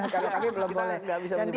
karena kami belum boleh